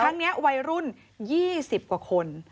ครั้งนี้วัยรุ่น๒๐กว่าคน